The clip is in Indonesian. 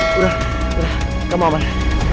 pegang tangan aku